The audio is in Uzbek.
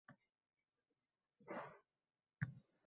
kiritilishi va noroziliklarning bostirilishidan so‘ng